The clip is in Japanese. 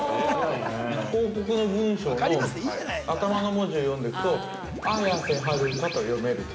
広告の文章の頭の文字を読んでいくと「あやせはるか」と読めると。